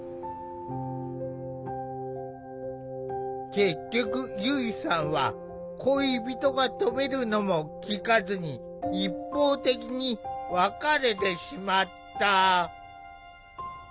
結局ゆいさんは恋人が止めるのも聞かずに一方的に別れてしまった。